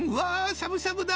しゃぶしゃぶだ！